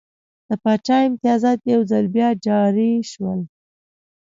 د پاچا امتیازات یو ځل بیا جاري شول.